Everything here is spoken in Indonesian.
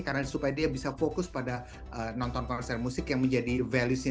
karena supaya dia bisa fokus pada nonton konser musik yang menjadi valuesnya